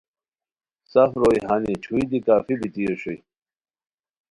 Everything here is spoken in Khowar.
سف روئے ہانی چھوئی دی کافی بیتی اوشوئے